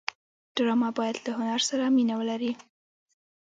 ډرامه باید له هنر سره مینه ولري